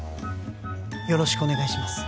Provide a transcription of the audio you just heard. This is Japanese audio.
よろしくお願いします